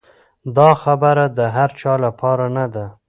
دا خبره د هر چا لپاره نه ده.